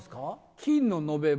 金の延べ棒。